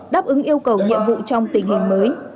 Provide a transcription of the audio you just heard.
đáp ứng yêu cầu nhiệm vụ trong tình hình mới